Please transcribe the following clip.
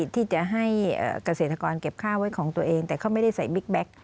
ที่จะให้เกษตรกรเก็บข้าวไว้ของตัวเองแต่เขาไม่ได้ใส่บิ๊กแก๊ก